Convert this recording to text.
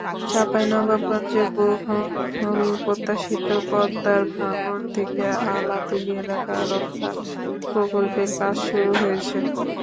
চাঁপাইনবাবগঞ্জে বহুল প্রত্যাশিত পদ্মার ভাঙন থেকে আলাতুলি এলাকা রক্ষা প্রকল্পের কাজ শুরু হয়েছে।